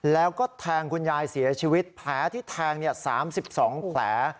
แล้วก็แทงคุณยายเสียชีวิตแผลที่แทง๓๒แผล